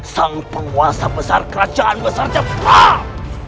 sang penguasa besar kerajaan besar jepang